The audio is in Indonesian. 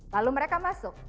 lalu mereka masuk